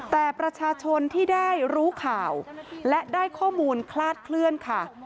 แต่ประชาชนที่ได้รู้ข่าวและได้ข้อมูลคลาดเคลื่อนค่ะ